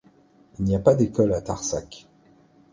Il n'y a pas d'école à Tarsac.